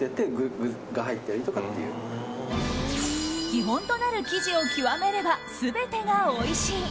基本となる生地を極めれば全てがおいしい。